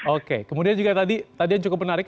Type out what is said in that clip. oke kemudian juga tadi yang cukup menarik